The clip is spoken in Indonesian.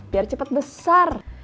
biar cepet besar